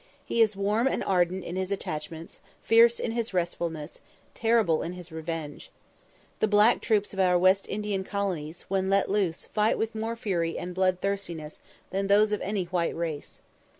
He is warm and ardent in his attachments, fierce in his resentfulness, terrible in his revenge. The black troops of our West Indian colonies, when let loose, fight with more fury and bloodthirstiness than those of any white race.